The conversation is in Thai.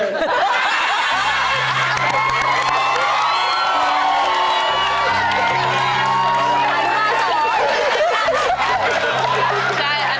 อันทุบาทสองอยู่ชั้น